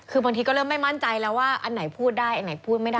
คือบางทีก็เริ่มไม่มั่นใจแล้วว่าอันไหนพูดได้อันไหนพูดไม่ได้